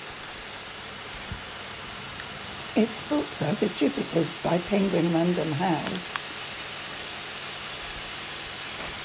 Its books are distributed by Penguin Random House.